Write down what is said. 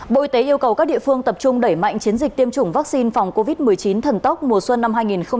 bộ y tế yêu cầu các địa phương tập trung đẩy mạnh chiến dịch tiêm chủng vaccine phòng covid một mươi chín thần tốc mùa xuân năm hai nghìn hai mươi